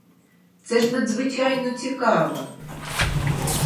Це ж надзвичайно цікаво.